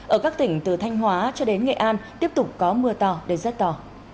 ở các tỉnh từ thanh hóa cho đến nghệ an tiếp tục có mưa to đến rất to